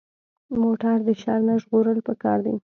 موټر د شر نه ژغورل پکار دي.